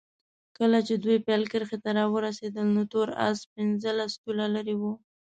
کله چې دوی پیل کرښې ته راورسېدل نو تور اس پنځلس طوله لرې وو.